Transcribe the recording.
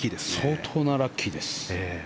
相当なラッキーです。